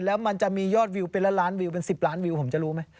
แล้วมันจะมียอดวิวเป็นละล้านวิวเป็น๑๐ล้านวิวผมจะรู้ไหม